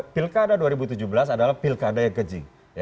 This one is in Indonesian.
pilkada dua ribu tujuh belas adalah pilkada yang keji